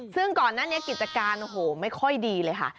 ซึ่งก่อนหน้านี้กิจการโอ้โหไม่ค่อยดีเลยค่ะ